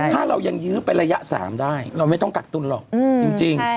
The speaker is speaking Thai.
ถ้าเรายังยื้อไประยะ๓ได้เราไม่ต้องกักตุ้นหรอกจริง